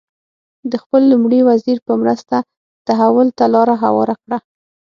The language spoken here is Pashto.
د خپل لومړي وزیر په مرسته تحول ته لار هواره کړه.